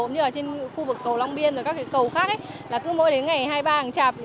như là trên khu vực cầu long biên và các cầu khác là cứ mỗi đến ngày hai mươi ba tháng chạp